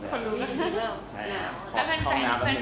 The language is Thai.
ตื่นเต้นรอคอยอะไรอย่างนี้